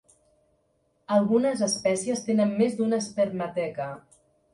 Algunes espècies tenen més d'una espermateca.